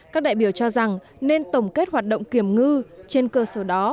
các đại biểu cho rằng nên tổng kết hoạt động kiểm ngư trên cơ sở đó